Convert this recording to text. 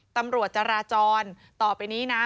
ปรับสายตรวจตอบไปนี้นะ